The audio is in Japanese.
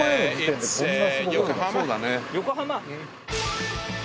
横浜。